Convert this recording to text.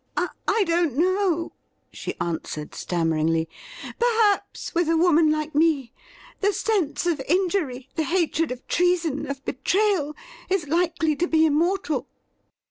' I don't know,' she answered stammeringly. ' Perhaps, with a woman like me, the sense of injury, the hatred of treason, of betrayal, is likely to be immortal.